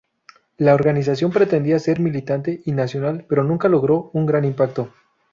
La organización pretendía ser militante y nacional, pero nunca logró un gran impacto.